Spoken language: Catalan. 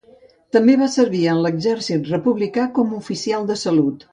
També va servir en l'exèrcit republicà com a oficial de salut.